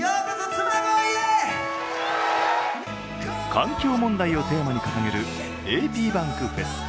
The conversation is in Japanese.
環境問題をテーマに掲げるａｐｂａｎｋｆｅｓ。